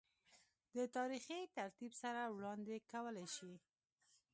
دَ تاريخي ترتيب سره وړاند ې کولے شي